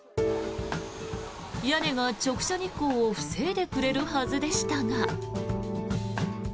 屋根が直射日光を防いでくれるはずでしたが。